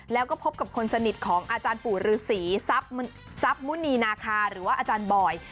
แล้วก็พบกับคนสนิทของอาจารย์ปู่ฤษีทรัพย์มุณีนาคาหรือว่าอาจารย์บอย